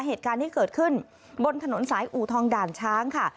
เหตุการณ์ที่เกิดขึ้นบนถนนสายอูทองด่านช้างค่ะ